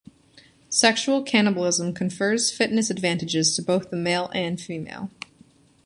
Sexual cannibalism confers fitness advantages to both the male and female.